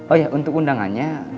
oh iya untuk undangannya